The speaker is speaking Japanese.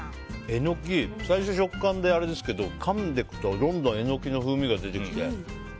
エノキ最初は食感があれですけどかんでいくとどんどんエノキの風味が出てきて。